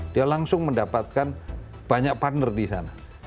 dia langsung mendapatkan banyak partner di sana